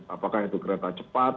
apakah itu kereta cepat